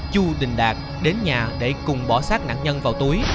chu đình đạt đến nhà để cùng bỏ sát nạn nhân vào túi